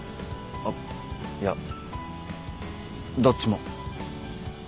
あっいやどっちも。